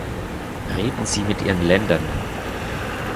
Reden Sie mit Ihren Ländern.